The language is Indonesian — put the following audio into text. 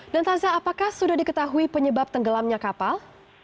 dan taza apakah sudah diketahui penyebab tenggelamnya kapal